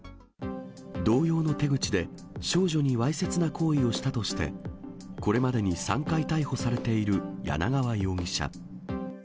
同様の手口で、少女にわいせつな行為をしたとして、これまでに３回逮捕されている柳川容疑者。